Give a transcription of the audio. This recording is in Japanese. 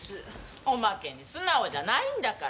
おまけに素直じゃないんだから。